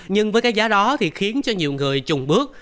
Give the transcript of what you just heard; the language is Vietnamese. nhưng với cái giá đó thì khiến cho nhiều người trùng bước